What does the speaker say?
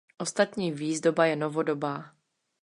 Ostatní výzdoba je novodobá.